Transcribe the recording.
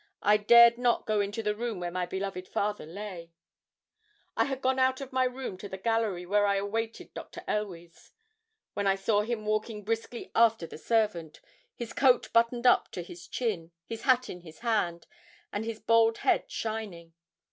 I dared not go into the room where my beloved father lay. I had gone out of my room to the gallery, where I awaited Dr. Elweys, when I saw him walking briskly after the servant, his coat buttoned up to his chin, his hat in his hand, and his bald head shining.